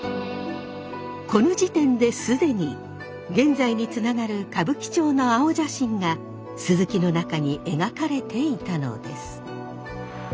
この時点で既に現在につながる歌舞伎町の青写真が鈴木の中に描かれていたのです。